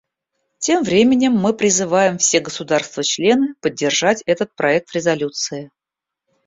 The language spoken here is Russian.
Тем временем мы призываем все государства-члены поддержать этот проект резолюции.